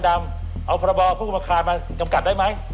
ถ้าใช้รถขนดำเอาพระบ๕๔มากันได้ไหม